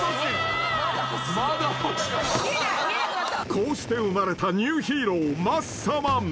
［こうして生まれたニューヒーローマッサマン］